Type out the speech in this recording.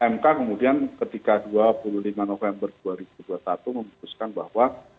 mk kemudian ketika dua puluh lima november dua ribu dua puluh satu memutuskan bahwa